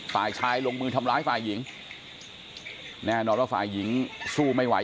ฝ่ายชายลงมือทำร้ายฝ่ายหญิงแน่นอนว่าฝ่ายหญิงสู้ไม่ไหว